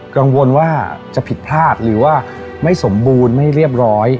กังวลว่าจะผิดพลาดหรือว่าไม่สมบูรณ์ไม่เรียบร้อย